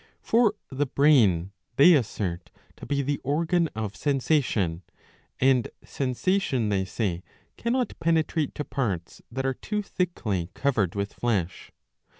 For the brain they assert to be the organ of sensation ; and sensation, they say, cannot penetrate to parts that are too thickly covered with flesh.